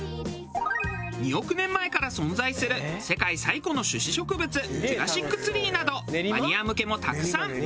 ２億年前から存在する世界最古の種子植物ジュラシックツリーなどマニア向けもたくさん。